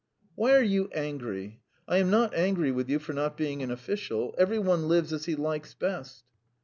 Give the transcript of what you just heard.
"Why are you angry? I am not angry with you for not being an official. Every one lives as he likes best."